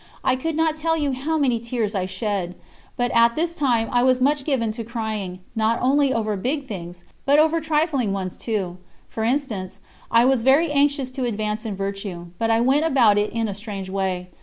I could not tell you how many tears I shed. But at this time I was much given to crying, not only over big things, but over trifling ones too. For instance: I was very anxious to advance in virtue, but I went about it in a strange way.